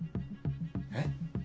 えっ？